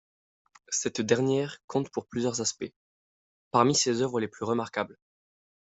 Cette dernière compte, pour plusieurs aspects, parmi ses œuvres les plus remarquables.